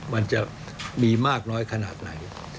มันจะมีมากน้อยขนาดไหน